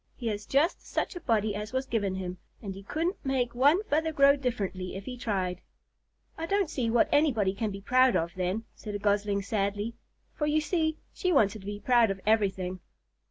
He has just such a body as was given him, and he couldn't make one feather grow differently if he tried." "I don't see what anybody can be proud of, then," said a Gosling sadly; for, you see, she wanted to be proud of something.